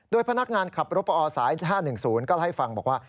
พนักงานขับรถปอสาย๕๑๐ก็ให้ฟังบอกว่า